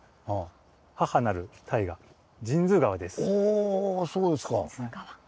おおそうですか。